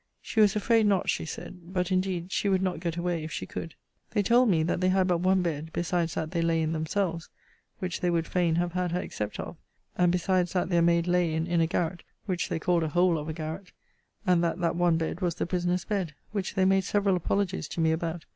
She was afraid not, she said. But indeed she would not get away, if she could. They told me, that they had but one bed, besides that they lay in themselves, (which they would fain have had her accept of,) and besides that their maid lay in, in a garret, which they called a hole of a garret: and that that one bed was the prisoner's bed; which they made several apologies to me about.